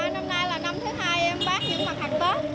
năm nay là năm thứ hai em bán những mặt hàng tết